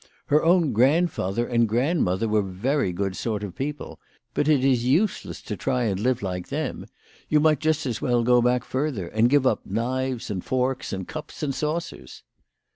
Her own grandfather and grandmother were very good sort of people, but it is useless to try and live like them. You might just as well go back further, and give up knives and forks and cups and saucers."